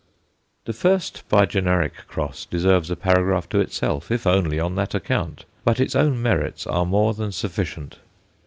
The first bi generic cross deserves a paragraph to itself if only on that account; but its own merits are more than sufficient.